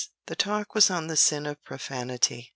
The talk was on the sin of profanity.